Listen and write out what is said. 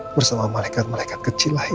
bersama malekat malekat kecil lainnya